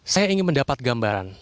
saya ingin mendapat gambaran